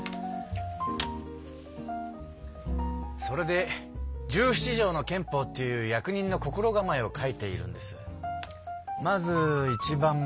それで十七条の憲法っていう役人の心構えを書いているんです。